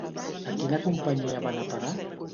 A quina companyia va anar a parar?